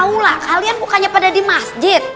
ya allah kalian bukannya pada di masjid